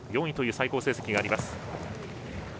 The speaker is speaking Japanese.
４位という最高成績があります。